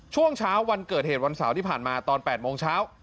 ช่วงเช้าวันเกิดเหตุวันเสาร์ที่ผ่านมาตอน๘โมงเช้า